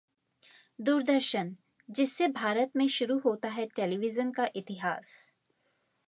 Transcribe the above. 'दूरदर्शन' जिससे भारत में शुरू होता है टेलीविजन का इतिहास